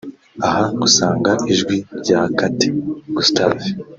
Aha usangamo ijwi rya Kate Gustave